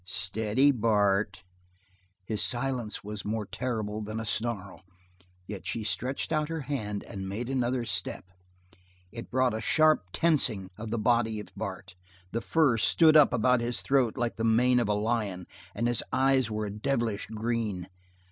"Steady, Bart!" His silence was more terrible than a snarl; yet she stretched out her hand and made another step. It brought a sharp tensing of the body of Bart the fur stood up about his throat like the mane of a lion, and his eyes were a devilish green.